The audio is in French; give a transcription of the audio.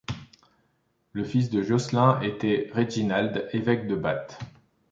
Le fils de Joscelin était Reginald, évêque de Bath.